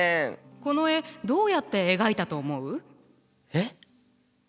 この絵どうやって描いたと思う？えっ！？